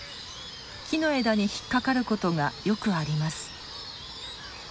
木の枝に引っ掛かることがよくあります。